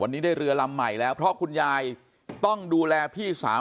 วันนี้ได้เรือลำใหม่แล้วเพราะคุณยายต้องดูแลพี่สาว